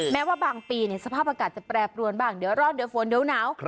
แม้ว่าบางปีสภาพอากาศจะแปรปรวนบ้างเดี๋ยวร้อนเดี๋ยวฝนเดี๋ยวหนาว